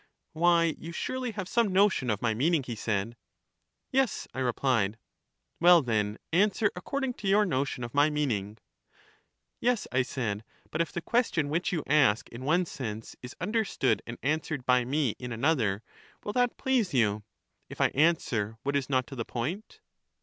Why, you surely have some notion of my meaning, he said. Yes, I replied. Well then answer according to your notion of my meaning. Yes, I said; but if the question which you ask in one sense is understood and answered by me in an other, will that please you — if I answer what is not to the point?